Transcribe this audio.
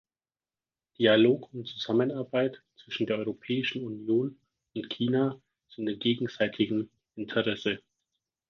Dialog und Zusammenarbeit zwischen der Europäischen Union und China sind in gegenseitigem Interesse.